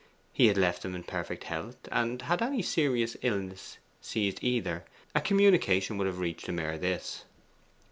He had left them in perfect health, and had any serious illness seized either, a communication would have reached him ere this.